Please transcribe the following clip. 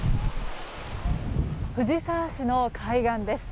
藤沢市の海岸です。